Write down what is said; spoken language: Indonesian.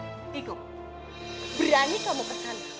iko berani kamu kesana